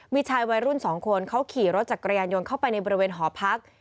มีชายวัยรุ่นสองคนเขาขี่รถจักรยานยนต์เข้าไปในบริเวณหอพัก